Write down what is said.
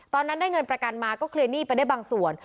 ตอนนั้นได้เงินประกันมาก็เคลียร์หนี้ไปได้บางส่วน